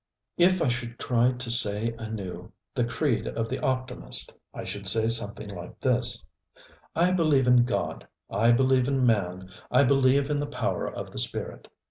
If I should try to say anew the creed of the optimist, I should say something like this: ŌĆ£I believe in God, I believe in man, I believe in the power of the spirit.